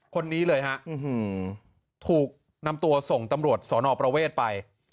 คนนี้เลยฮะถูกนำตัวส่งตำรวจสอนอประเวทไป